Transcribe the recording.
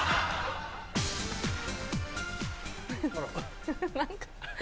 あら。何か。